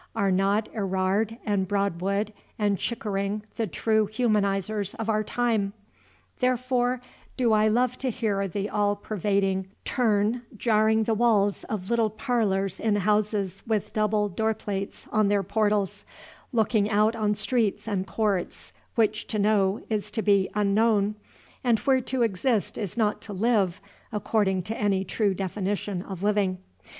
Are not Erard and Broadwood and Chickering the true humanizers of our time? Therefore do I love to hear the all pervading tum tum jarring the walls of little parlors in houses with double door plates on their portals, looking out on streets and courts which to know is to be unknown, and where to exist is not to live, according to any true definition of living.